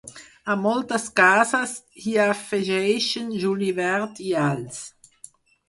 A moltes cases hi afegeixen julivert i alls.